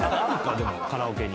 でもカラオケに。